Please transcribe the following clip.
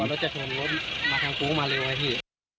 ก็จะโทนรถมาทางกรุงมาเร็วไว้ที่